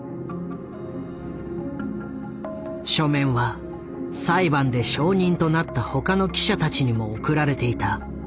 書面は裁判で証人となった他の記者たちにも送られていた。